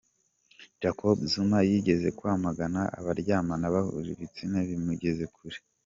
Jacob Zuma yigeze kwamagana abaryamana bahuje ibitsina bimugeza kure